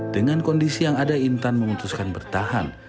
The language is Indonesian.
dengan kondisi yang ada intan memutuskan bertahan